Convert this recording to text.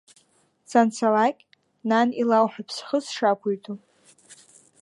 Санцалак, нан илауҳәап схы сшақәиҭу.